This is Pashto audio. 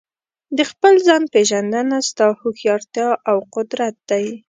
د خپل ځان پېژندنه ستا هوښیارتیا او قدرت دی.